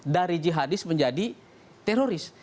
dari jihadis menjadi teroris